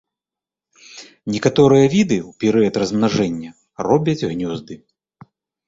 Некаторыя віды ў перыяд размнажэння робяць гнёзды.